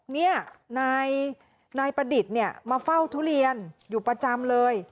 นี่นายประดิษฐ์เนี่ยมาเฝ้าทุเรียนอยู่ประจำเลย